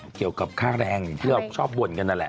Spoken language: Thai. เกี่ยวกับค่าแรงเพื่อชอบบ่นกันนั่นแหละ